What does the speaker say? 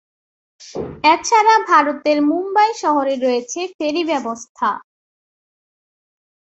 এছাড়া ভারতের মুম্বাই শহরে রয়েছে ফেরী ব্যবস্থা।